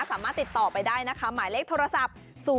สามารถติดต่อไปได้นะคะหมายเลขโทรศัพท์